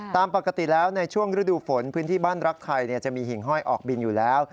ตามปกติแล้วในช่วงฤดูฝนพื้นที่บ้านรักไทยจะมีหิ่งห้อยออกบินอยู่แล้ว